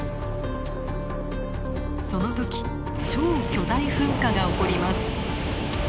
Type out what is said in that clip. その時超巨大噴火が起こります。